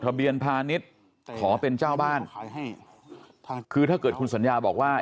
เบียนพาณิชย์ขอเป็นเจ้าบ้านคือถ้าเกิดคุณสัญญาบอกว่า